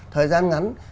thời gian ngắn